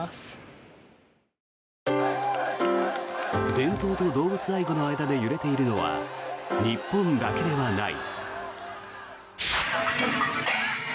伝統と動物愛護の間で揺れているのは日本だけではない。